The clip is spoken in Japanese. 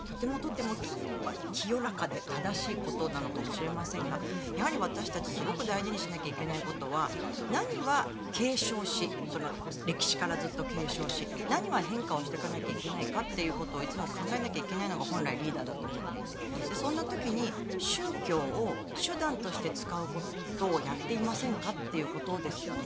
とてもとても清らかで正しいことなのかもしれませんがやはり私たちすごく大事にしなきゃいけないことは何は継承し歴史からずっと継承し何は変化をしていかないといけないかってことをいつも考えなきゃいけないのが本来、リーダーだと思っていてそんな時に、宗教を手段として使うことをやっていませんか？ということですよね。